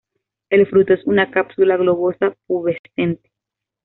El fruto es una cápsula globosa, pubescente.